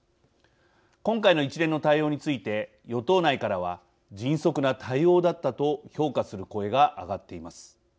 今回の一連の対応について与党内からは迅速な対応だったと評価する声が上がっています。